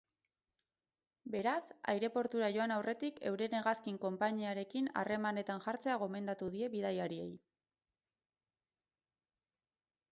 Beraz, aireportura joan aurretik euren hegazkin-konpainiekin harremanetan jartzea gomendatu die bidaiariei.